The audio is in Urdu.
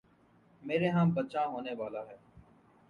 میرے ہاں بچہ ہونے والا ہے